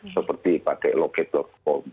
seperti pakai lokator